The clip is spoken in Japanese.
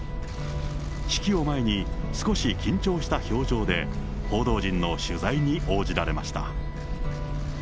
式を前に、少し緊張した表情で報道陣の取材に応じられました。